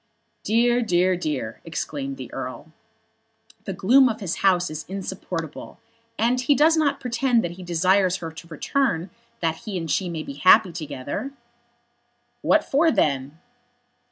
"Dear, dear, dear," exclaimed the Earl. "The gloom of his house is insupportable. And he does not pretend that he desires her to return that he and she may be happy together." "What for then?"